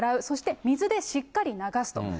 そして水でしっかり流すと。